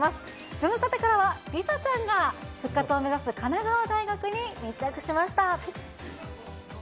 ズムサタからは梨紗ちゃんが復活を目指す神奈川大学に密着しました。